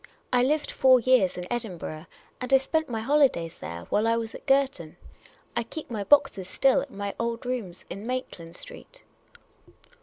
" I lived four years in Edin burgh. And I spent my liolidays there while I was at Girton. I keep my boxes still at my old rooms in Maitland Street."